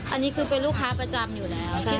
อันนี้คือเป็นลูกค้าประจำอยู่แล้ว